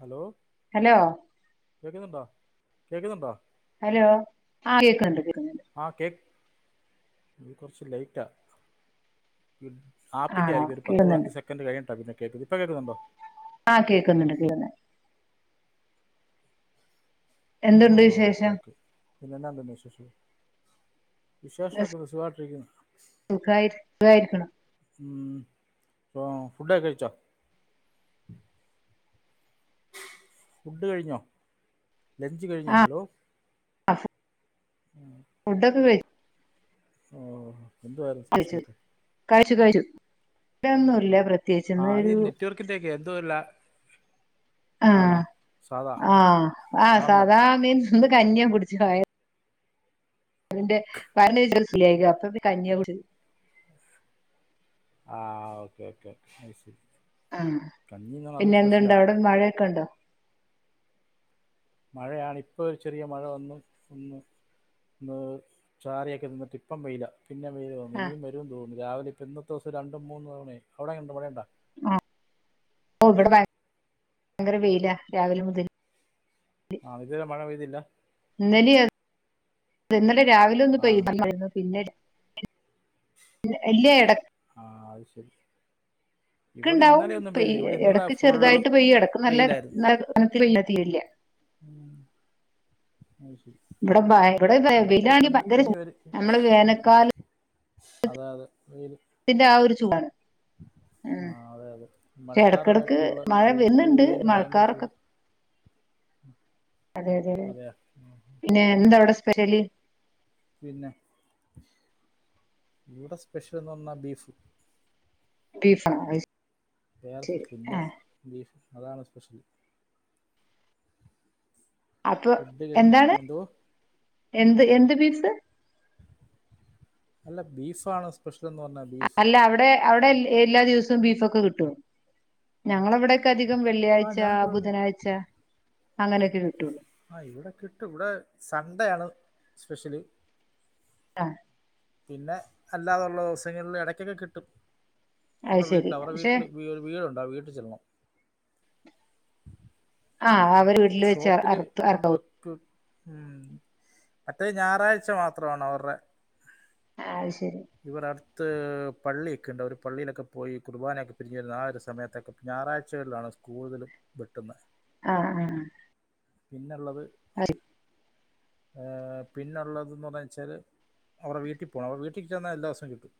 Hello hello കേക്കുന്നുണ്ടോ കേക്കുന്നുണ്ടാ hello ആ കേക്കണ്ട് കേ ആഹ് കേക്ക് ഇത് കുറച്ച് ലേറ്റാ ആപ്പിന്റെ ആണോ ആരിക്കും ഒരു കേക്കുന്നുണ്ട് പത്ത്പതിനഞ്ച് സെക്കൻറ് കഴിഞ്ഞിട്ടാ പിന്നെ കേക്ക്ത് ഇപ്പ കേക്കുന്നുണ്ടോ ആഹ് കേക്കുന്നുണ്ട് കിള്ളുന്നേ ആ ഹാ ഹാ ഓക്കേ വിശേഷം ഓക്കേ പിന്നെന്നന്ത്ന്നെ വിശേഷം വിശേഷമൊക്കെ യെസ് ഒന്ന് സുഖമായിട്ടിരിക്കുന്നു സുഖായി സുഖായിരിക്കുണു ഉം പ്പോ ഫുഡൊക്കെ കഴിച്ചോ ഫുഡ് കഴിഞ്ഞോ ലഞ്ച് കഴിഞ്ഞോ ആ ഹലോ ഫുഡൊക്കെ ഓ [unintelligible] എന്ത് വേറെ സ്പെഷ്യലക്കെ [unintelligible] തന്നൂല്ല പ്ര അത് പ്രത്യേകിച്ചന്നൊരു നെറ്റ്വർക്കിൻ്റെ ഒക്കെ എന്തോ ഒരു ലാ- ആ ആണോ സാധാ ആ ആ നോർമൽ സാധാ മീൻ ഇന്ന് കഞ്ഞി കുടിച്ച് ൻ്റെ വയറി അതിന്റെ വയറിനൊരു ച്ചിരി സു ല്ല്യായ്ക അപ്പൊ പിന്നെ കഞ്ഞ്യാ കുടിച്ച് ആഹ് ഓക്കേ ഓക്കേ അശരി ആ പിന്നെ എന്തുണ്ട് അവിടെ മഴക്കെ ഉണ്ടോ മഴയാണ് ഇപ്പോ ഒരു ചെറിയ മഴവന്നു ഒന്ന് ന്ന് ചാറിയൊക്കെ നിന്നിട്ട് ഇപ്പം വെയില പിന്നെ വെയില് വന്നു ആ ഇനിയും വരും തോന്നുന്നു രാവിലെ ഇപ്പ ഇന്ന് എ ദിവം രണ്ട മൂന്ന് തവണ അവിടെ കണ്ട ഇവിടെേണ്ട ആ ഓ ഇവിടെ ഭയങ്കര വെയിലാ രാവിലെ മുതിന് ആഹ് ഇതല്ലാം മഴ വെയ്തിില്ല ഇല ഇന്നലെ രാവിലെ ഒന്ന് ആ പെയ്തു പിന്നെ ഇല്ല ഇടയ് ആ ശരി ഒക്ക ഇവിടെ ഉണ്ടാവും ഇന്നലെ ഒന്നും പെയ്തില്ല ഇവിടെ ഇന്നലെ ഇടക്ക് ഫുള്ള് ചെറുതായിട്ട് പോയി ഇടക്ക് നല്ല- വെയിലായിരുന്നു ല്ല ഇല്ല [inaudible] ഇവിടെ ഇവിടെതാണങ്കി ഇടയ്ക്കിടയ്ക്കുണ്ട് ഭയങ്കര ഇനി വരും നമ്മള് വേനക്കാല അതെ അതെ അതിന്റെ ആ ഒരു ചൂടാണ് ഉം ആ അതെ അതെ പക്ഷെ ഇടക്കിടക്ക് മഴക്കാലമായിട്ടുള്ള മഴ ചൂട് വരുന്നുണ്ട് വെയിലന് ഭയങ്കര ചൂട് അത അതെത അതെയാ പിന്നെ എന്തവിടെ ലി [unintelligible] പിന്നെ ഇവിടെ സ്പെഷ്യൽന്ന് പറഞ്ഞാ ബീഫ് ബീഫ് വേ ഇന്ന ബീഫ അതാണ് സ്പെഷ്യൽ അപ്പൊ ഫുഡ് കഴിഞ്ഞ് എന്താണ് എന്തോ എന്ത് എന്ത് പീസ് അല്ല ബീഫ ആണോ സ്പഷിയൽ ന്ന് പറഞ്ഞ ബീസ് അല്ല അവിടെ അവിടെ എല്ലാ ദിവസവും ബീഫൊക്കെ കിട്ടും ഞങ്ങളവിടെക്കെ അ അം ആ വെള്ളിയാഴ്ച ഞങ്ങൾക്കിവിടെ ബുധനാഴ്ച അങ്ങനൊക്കെ കിട്ടുള്ളൂ ആഹ് ഇവിടെ കിട്ടും ഇവിടെ സൺണ്ടേ ആണ് സ്പെഷ്യലി ആഹ പിന്നെ അല്ലാതുള്ള ദിവസങ്ങളില് ഇടക്കൊക്കെ കിട്ടും അത് വടെ ശരി വീട്ടില് അവറെ പക്ഷെ വീട്ടില് വി വീടുണ്ട് അ വീട്ട് ചെല്ലണം ആഹ് അ അവര് വീട്ടില് വെച് ഷോപ്പിൽ അർത് കൊണ്ട് കണ്ടോ വെക്കും ഉം മറ്റേ ഞായറാഴ്ച മാത്രാണോ അവര്ടെ അത് ശരി ഇവർ അട്ത്ത് പള്ളി ക്കെണ്ട് ഒരു പള്ളിലൊക്കെ പോയി കുർബാനൊക്കെ പിര്ഞ്ഞു വരുന്ന ആ ഒരു സമയത്തൊക്കെ ഞായറാഴ്ചകളാണ് കൂടുതലും വെട്ടുന്നെ ആഹ ആഹ പിന്നെള്ളത് അറി ഏഹ് പിന്നള്ളത് ന്ന് പർഞച്ചാല് അവരെ വീട്ടി പോണം അവരെ വീട്ട്ക് ചെന്നാ എല്ലാസോവും കിട്ടും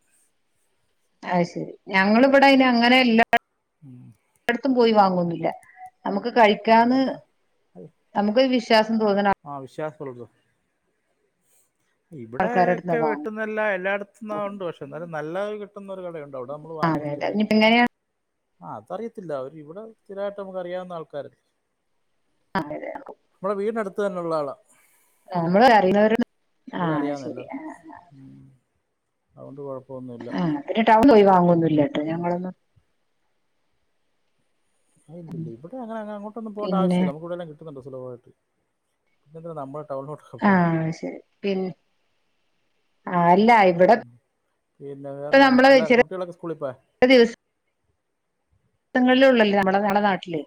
അയ്‌ശരി ഞങ്ങളിവിടെ അയ്‌ന് അങ്ങനെല്ല [unintelligible] ട്ത്തും പോയി വാങ്ങു ന്നി ല്ല നമ്മുക്ക് കഴിക്കാന്ന് നമുക്കൊരുവിശ്വാസം തോന്നണം [unintelligible] ഇവിടെ ആൾക്കാരടുത്ത്ന്നാ ക്കെ വാങ്ങും വെട്ടുന്നെല്ലാം എല്ലാടത്തുന്നും ഒണ്ട് പക്ഷെ എന്നാലും നല്ല കി [unintelligible] അവിടെണ്ട് അവിടെ നമ്മള് ആഹ് വാങ്ങുന്ന് അതെ അതെ സ്ഥിരായിട്ട് ഇനിയിപ്പ എങ്ങനെയാണ് ആ അതറിയത്തില്ല അവര് ഇവിടെ സ്ഥിരായിട്ട് നമുക്ക് അറിയാവുന്ന ആൾക്കാരല്ലേ [unintelligible] ത്ത് തന്നെള്ള ആളാ ആ നമ്മള് അറിയുന്നവരൊന്നും ആ അറിയാവുന്ന ശെരി എല്ലാവർക്കും ആഹ് ആഹ് ഉം. അതുകൊണ്ട് കൊഴ ആഹ്‌ പിന്നെ ടൗൺ പോയി വാങ്ങുന്നു ല്ലട്ടോ പിന്നെ ഞങ്ങളൊന്നും ആ ഉം ഇല്ലില്ല ഇവിടെ അങ്ങനങ്ങോട്ടൊന്നു പോകണ്ട പിന്നെ ആവശ്യല്ല നമുക്ക്ഇവിടെല്ലാം കി ക്കുന്നുണ്ടോ സ്ലോവായിട്ട് പിന്നെന്ത്‌ നമ്മൾ ടൗണിലോട്ടൊക്കെ ആ പോകണം അത്‌ശരി പിന്നെ ആൽ ഉം പിന്നെ വേറെന്താണ് നമ്മള് പിള്ളേ ചില കുട്ടികളൊക്കെ സ്കൂളി പോയോ സങ്ങളിലുള്ളല്ലേ നമ്മളെ നമ്മുടെ നാട്ടില്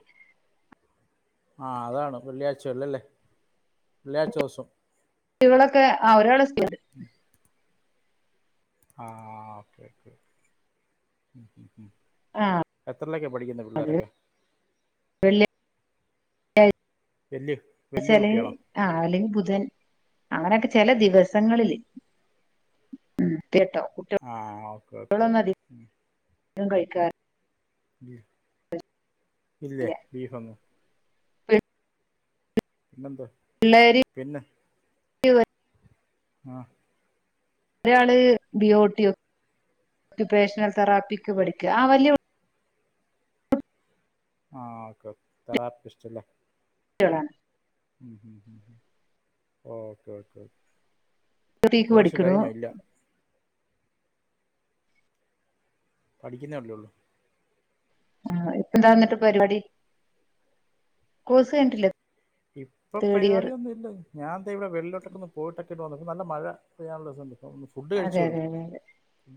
ആഹ് അതാണ് വെള്ളിയാഴ്ച ഒള്ളല്ലേ വെള്ളിയാഴ്ച്ച ദിവസം കുട്ടികളൊക്കെ ആ ഒരാള് സ്കൂളി ആഹ് ആ ഓക്കേ ഉം ആഹ് എത്രല്ലൊക്കെയാ പടിക്കുന്നെ പിള്ളോരൊക്കെ വെള്ളിയാഴ്ച എല്ല് എച്ചാല് ആല്ലെങ്കി ബുധൻ അങ്ങനെയൊക്കെ ചെല ദിവസങ്ങളില് ഉം കേട്ടോ കുട്ടി ആഹ് ഓക്കേ ഓക്കേ ൻ കഴിക്കാർ ഉം ഇല്ലേ ബീഫൊന്നും പിന്നെന്ത പിള്ളേര് പിന്നെ ആഹ് ഒരാള് ബി ഒ ടി ഒക്യുപേഷണൽ തെറാപ്പിക്ക് പഠിക്കുവാ ആ വല്ല്യ ആഹ് ഓക്കേ ഓക്കെ തെറാപ്പിസ്റ്റ് ല്ലേ ളാണ് ഉം ഉം ഓക്കെ ഓക്കെ ഓക്കെ ക്ക് കോഴ്സ് പഠിക്കണു കഴിഞ്ഞോ ഇല്ല പഠിക്കുന്നല്ലെ ഉള്ളൂ ആ ഇപ്പന്താന്നിട്ട് പരിപാടി കോഴ്സ് കയ്ഞ്ഞിട്ടില്ലെ ഇപ്പൊ പരിപാടിയൊന്നും ഇല്ല ഞാൻ ദേ ഇവിടെ വെള്ളോട്ടൊക്കൊന്ന് പോയിട്ടൊക്കെണ്ട വന്നി ഇന്ന് നല്ല മഴ പെയ്യാനുള്ള [unintelligible] അതെ അതെ അതെ അതെ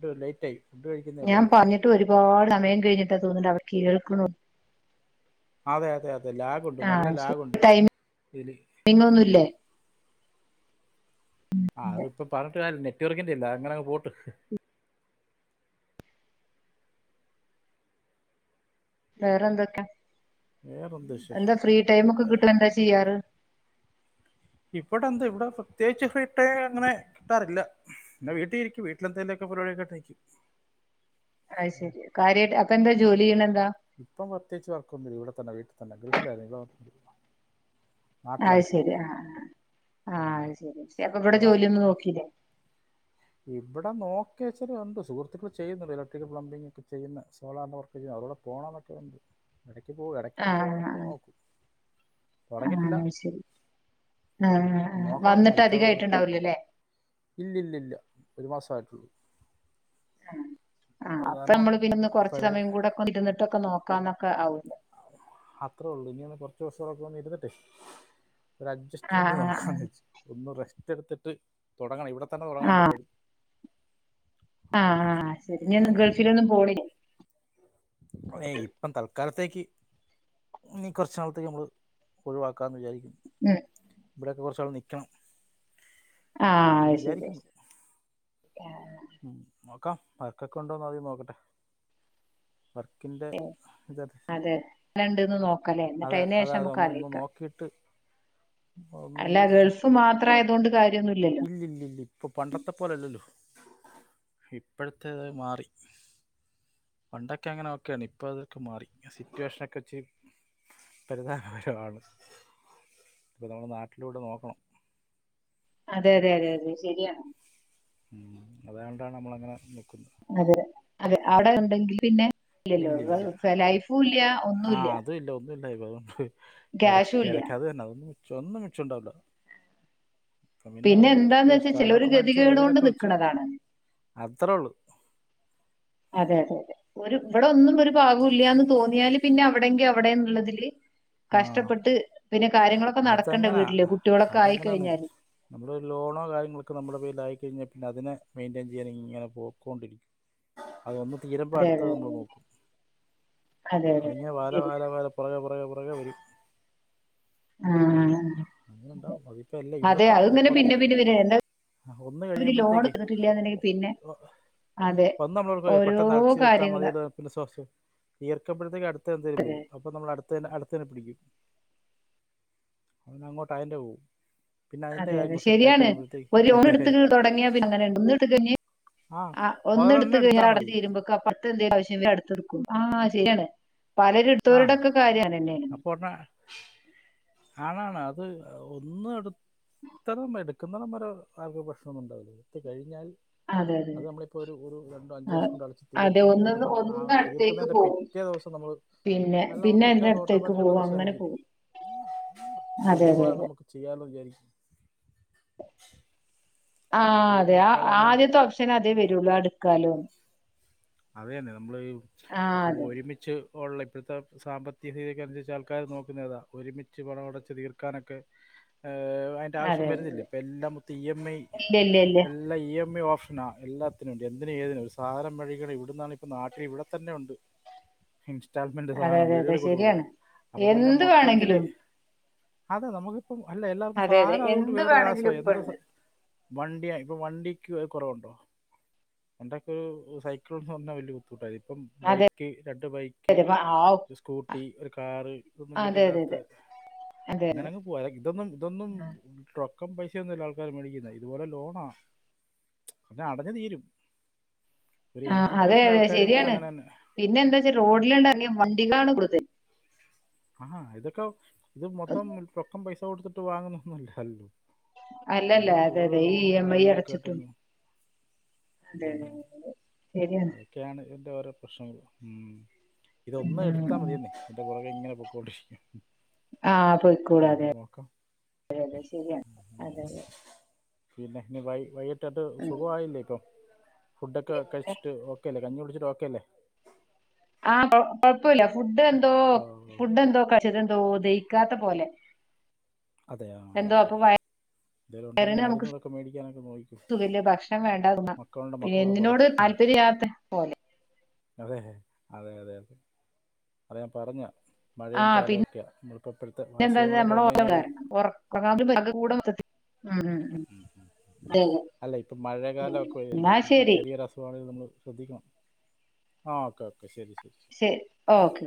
ടോ ലേറ്റായി ഫുഡ് കഴിക്കുന്നേ ഉള്ളൂ ഞാൻ പറഞ്ഞിട്ട് ഒരുപാട് സമയം കഴിഞ്ഞിട്ടാ തോന്നിണ്ട് അവര് കേൾക്കണു അതെ അതെ അതെ ലാഗുണ്ട് ആ നല്ല ശരി ലാഗുണ്ട് ടൈമിംഗ് ഇതില് ഒന്നുംല്ലേ ആ അത് ഇപ്പൊ പറഞ്ഞിട്ട് കാര്യംന്നെ കുട്ടറക്കിന്റില്ല അങ്ങനെ പോട്ട് വേറെ എന്തൊക്കെ വേറെന്ത് വിശേഷം എന്താ ഫ്രീ ടൈമൊക്കെ കിട്ടണ എന്താ ചെയ്യാറ് ഇബടെ എന്ത് ഇവിടെ പ്രത്യേകിച്ച് ഫ്രീട്ടയിം അങ്ങനെ കിട്ടാറില്ല പിന്നെ വീട്ടി ഇരിക്കും വീട്ടിലെന്തെലുംക്കെ പരിപാടി ഒക്കെട്ടിരിക്കും അയ്ശെരി കാര്യായിട്ട് അപ്പൊ എന്താ ജോലി വീണൻ ഇപ്പം പ്രത്യേകിച്ച് വർക്കൊന്നില്ല ഇവിടെ തന്നെ വീട്ടിൽ തന്നെ ഗൾഫിലായിര്ന്ന് [unintelligible] അയ്ശരി ആ ആ ആ ആത്ശരി ശരി അപ്പൊ ഇവിടെ ജോലിയൊന്നും നോക്കിലേ ഇബ്ടെ നോക്കിയെച്ചിട്ടൊണ്ട് സുഹൃത്തുക്കൾ ചെയ്യുന്നുണ്ട് ഇലക്ട്രിക് പ്ലംബിംഗ് ഒക്കെ ചെയ്യുന്ന സോളാറിന്റെ വർക്ക് ചെയ്യുന്നു അവരൂടെ പോകണംന്നൊക്കെ ഉണ്ട് എട ക്ക് പോ എടക്ക് ആ ആ പോവാനൊക്കെ നോക്കൂ ആ തുടങ്ങിയിട്ടില്ല ആ ശരി ആഹ് ആഹ് നോക്കണം വന്നിട്ട് അടുത്ത വർക്ക് അധികായിട്ടുണ്ടാവൂലല്ലേ ഇല്ല്യല്ല്യല്ല്യ ഒരു മാസായിട്ടുള്ളൂ ആഹ് ആഹ് അപ്പൊ നമ്മള് പിന്നെന്ന് കൊറച്ച ഫൈബർ സമയം കൂടെ ഒക്ക ഇരുന്നിട്ടൊക്കെ നോക്ക ക്കാനൊക്കെ ആവും അത്രേ ഒള്ളു ഇനി ഒന്ന് കുറച്ചീസൊക്കെ ഒന്ന് ഇരുന്നിട്ടെയ് ഒരു അഡ്ജസ്റ്റ്മെന്റ് ആഹ് ആഹ് നോക്കാന്ന് വെച്ച് ഒന്ന് റെസ് [unintelligible] എടുത്തിട്ട് തുടങ്ങണം ഇവിടെ പ്പം തുടങ്ങണം പരിപാടി ആ ആ ശരി ഞ ഗൾഫിൽ ഒന്നും പോയില്ലേ എ ഇപ്പം തൽക്കാലത്തേക്ക് നീ കുറച്ചനാളത്തേക്ക് നമ്മള് ഒഴിവാക്ക ക്കന്ന് വിചാരിക്കും ഉം ഇവിടെയൊക്കെ കുറച്ച് ട്ടവിടെ നിക്കണം ആഅത് ശരി ശരി ആഹ് ഉം നോക്കാം പഴക്കൊക്കെ ഉണ്ടോന്ന് ആദ്യം നോക്കട്ടെ വർക്കിന്റെ ഏ ഇത് അത് അതെ എങ്ങന്ണ്ട്ന്ന് നോക്കല്ലേ എന്നിട്ട് അതെ അതിന് ശേഷം അതെ ഒന്ന് ഒന്ന് നമുക്ക്ലയിക്കാം നോക്കിയിട്ട് അല്ല ഗേൾസ് മാത്രമായി ഇത് കൊണ്ട് കാ ഇല്ലില്ല ല്ലാ ഇപ്പൊ പണ്ടത്തെ പോലെ അല്ലല്ലോ ഇപ്പോഴത്തേത് മാറി പണ്ടൊക്കെ അങ്ങ് അത് ഒക്കെ ആയിരുന്നു ഇപ്പൊ അത് മാറി സിറ്റുവേഷൻ [unintelligible] പിന്നെ നാട്ടിലോട്ട് നോക്കണം അതേ അതേ ശരിയാണ് അത് കൊണ്ടാണ് നമ്മള് അങ്ങനെ നിക്കുന്നത് ആതിരേ അതെ അവിടെ ഉണ്ടങ്കിൽ പിന്നെ ഇല്ലില്ല ഇല്ലല്ലോ ലൈഫുല്ല ഒന്നുല്യ [unintelligible] എടക്ക് എടക്കാതന്നെ [unintelligible] ഒന്ന് മിഷ ഉണ്ടാവില്ല പിന്നെ എന്താന്ന് നമ്മള് വെച്ചാ ചിലര് സ്ഥലമൊക്കെ മേടിച്ച് ഗതികേട് കൊണ്ട് വീടൊക്കെ വെച്ച് നിക്കണതാണ് അത്രേ ഉള്ളു അതെ അതെ അതെ ഒരു ഇവിടെ ഒന്നും ഒരു ഭാഗം ഇല്യാന്ന് തോന്നിയാല് പിന്നെ അവിടെങ്കിൽ അവിടെന്നുള്ളതില് ആ കഷ്ടപ്പെട്ട് പിന്നെ കാര്യങ്ങളൊക്കെ നടക്കണ്ടേ അതെങ്ങനാ വീട്ടില് കുട്ടികളൊക്കെ അതെങ്ങനാന്ന് ആയിക്കഴിഞ്ഞാല്. നമ്മള് ലോണോ കാര്യങ്ങളൊക്കെ നമ്മുടെ പേൽ ആയിക്കഴിഞ്ഞ പിന്നെ അതിനെ മെന്റാൻ ചെയ്യാ ഇങ്ങനെ പോക്കൊണ്ടിരിക്കും അതൊന്ന് തീരുമ്പോൾ അതെ അടുത്ത അതെ നമ്മൾ നോക്കും അതെ അതെ അതിങ്ങാെ വല ശരി വാല വല പുറകെ പയേപോൽ പുറകെ വരും ആ അങ്ങനെ ഉണ്ടാവും അതിപ്പ അല്ല ഇവിടെ തന്നെല്ല പോത്ത് പിന്നെ പിന്നെ പിന്നെ എന്താ ആ ഒന്ന് ഇവര് ലോൺ കഴിയുമ്പോഴത്തേക്കെ എടുത്തിട്ടില്ലാന്നുണ്ടെങ്കി പിന്നെ അതെ ഒന്ന് നമ്മള ഓർക്കും ഓരോ പെട്ടെന്ന് അടാച്ച് നിർത്താ കാര്യങ്ങള് മതിലോ പിന്നെ വിസസെ ഇർ [unintelligible] ടത്തെ എന്തേലും വരും അപ്പം നമ്മൾ അട് ത്തന്നെ അടുത്തന്നെ പിടിക്കും അങ്ങോഅയിന്റെ പോവും അതെ അതെ ശരിയാണ് ഒരു ലോൺ എടു തുടങ്ങിയാ പിന്നെ അങ്ങനെ ഒന്ന് ഇട്ട് കഴിഞ്ഞെ ആ ഒന്ന് എടുത്ത് ഒരെണ്ണം ക്ലിയർ എടുത്താൽ മതി അടഞ്ഞു തീരുമ്പൊക്ക ആ പത്ത് എന്തേലും ആവശ്യം വരും അടുത്ത എടുക്കും ആ ശരിയാണ് ആ പലര്എടുതോർടെക്കെ കാര്യാണ്ന്നേ ആണ് അപ്പോൾ ഒരെണ്ണം ആണാണ് അത് ഒന്നും എടുത്തതും എടുക്കുന്നടം വരെ ആർക്കും പ്രശ്നം ഒന്നും ഉണ്ടാവില്ലഎട്ത്ത് കഴിഞ്ഞാൽ അതെ അത് നമ്മളിപ്പോ ഒരു ഒരു രണ്ട് അഞ്ചു അതെ വർഷം കൊണ്ട് അടച്ച് അതെ തീർത്താ ഒന്നന്ന് നമ്മള് ആ ഒന്നന്ന് അടുത്തേക്ക് തീർക്കുന്നതിന്റെ പോകും പിറ്റേ ദിവസം നമ്മള് പിന്നെ അല്ല നമ്മൾ പിന്നെ അതിന്റെ പിറ്റേസം അടുത്തേക്ക് ഓട്ടോമാറ്റിക്കായിട്ട് പോകും നമ്മൾ അങ്ങനെ ശ്രമിക്കും പോകും അതെ അതെ അതിതുപോലെ അതെ നമുക്ക് ചെയ്യൻ പെട്ടന്ന് വിചാരിക്കും അപ്പൊ ആഹ് അത് പിന്നെ അതെ ആ ആൾക്കാർ അങ്ങനെ ആദ്യത്തെ ഓപ്ഷന് അതേ വരുള്ളൂ അടു [unintelligible] അതുതന്നെ നമ്മള് ഈ ഇപ്പ അതെ ഒരുമിച്ച് ഇപ്പൊ ഒള്ള ഇപ്പൊഴത്തെ സാമ്പത്തിക സ്ഥിതിക്കനുസരിച്ച് ആൾക്കാരു നോക്കുന്നത്‌ അതാ ഒരുമിച്ച് പണം അടച്ച് തീർക്കാനൊക്കെ ഏഹ് അയിന്റെ ആവശ്യം അതെ വരുന്നില്ല ഇപ്പം എല്ലാം മൊത്തം ഇ. എം. ഐ അതെ ഇല്ല ഇല്ല ഇല്ല എല്ലാം ഇ. എം. ഐ ഓഫ് [unintelligible] എല്ലാത്തിനുണ്ട് എന്തിനും ഏതിനും ഒരു സാധാനം വഴി [unintelligible] ഇവിടന്നാണിപ്പ നാട്ടിൽ ഇവിടെത്തന്നെ ഉണ്ട് ഇൻ സ്റ്റാൾമെൻറ് അതെ സാധനം അതെ അതെ വീടുകളിൽ കൊണ്ടു ശരിയാണ് കൊടുക്കുന്നു അപ്പ പിന്നെ എന്ത് മൊത്തത്തില് വേണമെങ്കിലും അത് നമുക്ക് പ്പം അല്ല എല്ലാവർക്കും അതെ അതെ സാനം അതുകൊണ്ട് എന്ത് വേറൊരു വേണമെങ്കിലും [unintelligible] ഇപ്പൊ എന്ത് സ ഉണ്ട് വണ്ടിയ ഇപ്പൊ വണ്ടിക്ക് കൊറവൊണ്ടോ പണ്ടൊക്കെ സൈ [unintelligible] ഇപ്പം അതെ ബൈക്ക് രണ്ട് ബൈക്ക് അതെ അപ്പൊ ആ- ഒരുസ്കൂട്ടി ഒരുകാറ് ഇതൊന്നും അതെ അതെ വീട്ടില്ലാത്ത, അതെ അതെ അതെ അങ്ങനങ്ങ് പോവാ ഇതൊന്നും ഇതൊന്നും ട്ര ക്കം പൈസയൊന്നുമല്ല ആൾക്കാര് മേടിക്കുന്ന ഇതുപോലെ ലോണാ പിന്നെ അടഞ്ഞുതീരും. ആ അതെ അതെ ശരിയാണ് പിന്നെ എന്താച്ചാ റോഡിലോട്ടറങ്ങിയ വണ് [unintelligible] കൊടുത്തേ? ആഹാ ഇതൊക്ക ഇത് മൊത്തം റൊക്കം പൈസ കൊട്ത്ത് ട്ടു വാങ്ങുന്നൊന്നുയില്ല ഹൽ അല്ല അല്ല അതെ അതെ ഈ ഇ. എം. ഐ കാര്യങ്ങളൊക്കെ അടച്ചിട്ടും ആയിട്ടങ്ങ് അതെ ഉം. അതെ ശരിയാണ് അതൊക്കെയാണ് ഇതിന്റോരോ പ്രശ്നങ്ങള് ഉം. ഉം, ഇതൊന്ന് ഉം, എടുത്താ ഉം. മതിയന്നെ തിന്റെ പൊറകെ ഇങ്ങനെ പോ കോൾഡ് ആഹ് പോയിക്കൂടാതെ അതെ അതെ ശരിയാണ് അതെ അതെ. പിന്നെ ഇനി വൈ വൈയ് ട്ട് ആണ്ട് ഉം സുഖവായില്ലെ ഇപ്പം ഫുഡ് ഒക്കെ പിന്നെ കഴിച്ചു ഓക്കെ അല്ലെ? കഞ്ഞി കുടിച്ചിട്ട് ഓക്കെ അല്ലെ? ആഹ് കൊഴ് കൊഴപ്പയില്ല ഫുഡ് എ എന്തോ ഓ ഓ. ഫുഡ് എന്തോ കശെത് എന്തോ ദഹി ക്കാത്തെ പോലെ അതെ ആ എന്തോ അപ്പ ശരി എന്തെങ്കിലും ഉണ്ടെങ്കിൽ വയറിന് നമുക്ക് മരുന്നുകളൊക്കെ മേടിക്കാനൊക്കെ നോക്കും തുഖെല്ല ഭക്ഷണം വേണ്ടാ തോന്നാ. മക്കളുണ്ട് പിന്നെ മക്കളോട് പറ എന്തിനോട് ഉം. താല്പര്യല്ലാത്ത പോലെ. അതെ അതെ അതെ അതെ അത് ഞാൻ പറഞ്ഞാ ആ പിന്നെ എന്താച്ചാ അസുഖങ്ങളൊക്കെ നമ്മളെ വന്നു ഒർക്കം കഴിഞ്ഞാൽ ഒർ ഒന്നാമെത് ആകെ കൂടെ മൊത്തത്തി ഉം അല്ല ഇപ്പ ഉം മഴെകാലൊക്കെ വര്കെ അല്ലെ എന്നാ ശരി ചെറിയ ഒര് അസുഖാണെങ്കിലും നമ്മെൾ ശ്രദ്ധിക്കണം ആഹ് ഓക്കെ ഓക്കെ ശരി ഓക്കെ ഓക്കെ